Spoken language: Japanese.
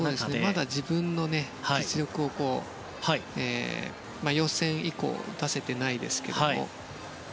まだ自分の実力を予選以降出せてないですけれども。